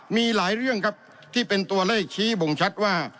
มีหลายเรื่องครับที่เป็นตัวเลขชี้บ่งชัดว่า